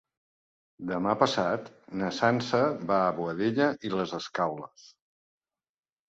Demà passat na Sança va a Boadella i les Escaules.